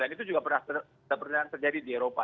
dan itu juga pernah terjadi di eropa